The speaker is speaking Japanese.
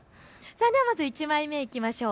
ではまず１枚目いきましょう。